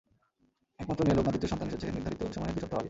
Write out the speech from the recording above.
একমাত্র মেয়ে লুবনার দ্বিতীয় সন্তান এসেছে নির্ধারিত সময়ের দুই সপ্তাহ আগে।